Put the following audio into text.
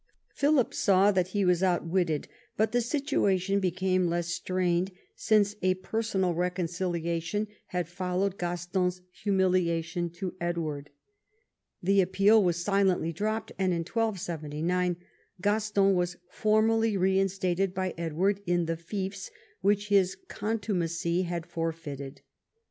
Philip saw that he was outwitted, but the situation became less strained since a personal reconciliation had followed Gaston's humiliation to Edward. The appeal was silently dropped, and in 1279 Gaston was formally reinstated by Edward in the fiefs which his contumacy had forfeited.